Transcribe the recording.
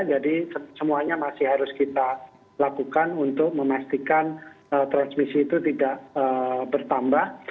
jadi semuanya masih harus kita lakukan untuk memastikan transmisi itu tidak bertambah